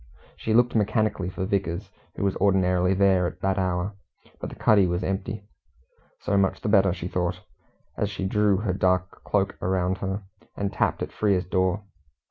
She looked mechanically for Vickers, who was ordinarily there at that hour, but the cuddy was empty. So much the better, she thought, as she drew her dark cloak around her, and tapped at Frere's door.